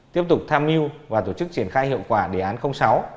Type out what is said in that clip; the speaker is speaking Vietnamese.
tiếp tục tham mưu và tổ chức triển khai hiệu quả đề án sáu